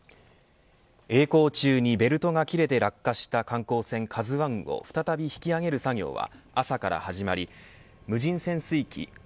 えい航中にベルトが切れて落下した観光船ＫＡＺＵ１を再び引き揚げる作業は朝から始まり無人潜水機